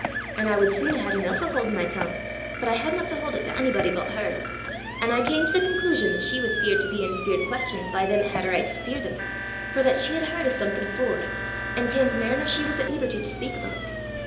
An' I wud sune hae had eneuch o' haudin' my tongue, but I hadna to haud it to onybody but her; an' I cam to the conclusion that she was feart o' bein' speirt questons by them 'at had a richt to speir them, for that she had h'ard o' something afore, an' kenned mair nor she was at leeberty to speak aboot.